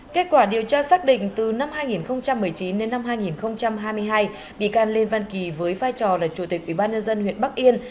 kết quả điều tra xác định từ năm hai nghìn một mươi chín đến năm hai nghìn hai mươi hai bị can lê văn kỳ với vai trò là chủ tịch ubnd huyện bắc yên